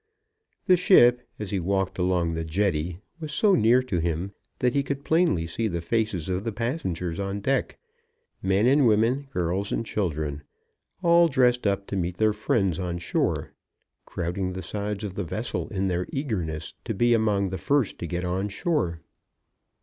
The ship as he walked along the jetty was so near to him that he could plainly see the faces of the passengers on deck, men and women, girls and children, all dressed up to meet their friends on shore, crowding the sides of the vessel in their eagerness to be among the first to get on shore.